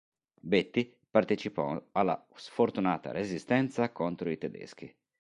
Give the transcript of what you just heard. Betti partecipò alla sfortunata resistenza contro i tedeschi.